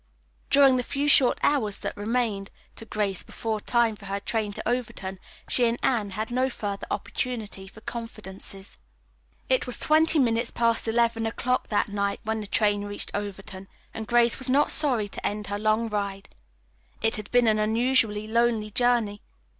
During the few short hours that remained to Grace before time for her train to Overton she and Anne had no further opportunity for confidences. It was twenty minutes past eleven o'clock that night when the train reached Overton, and Grace was not sorry to end her long ride. It had been an unusually lonely journey.